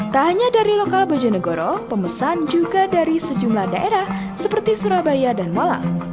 tak hanya dari lokal bojonegoro pemesan juga dari sejumlah daerah seperti surabaya dan malang